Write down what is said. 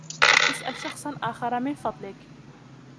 اسأل شخصا آخر من فضلك.